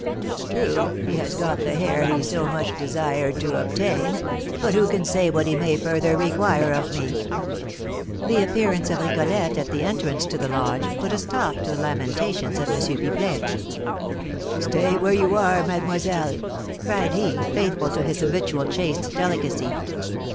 True, he has got the hair he so much desired to obtain; but who can say what he may further require of me?" The appearance of Rigolette at the entrance to the lodge put a stop to the lamentations of M. Pipelet. "Stay where you are, mademoiselle!" cried he, faithful to his habitual chaste delicacy.